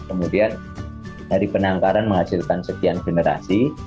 kemudian dari penangkaran menghasilkan sekian generasi